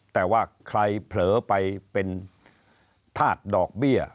แต่ว่าใครเผลอไปเป็นธาตุดอกเบี้ย